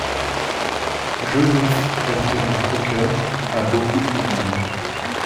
Joseph Dalton Hooker a beaucoup publié.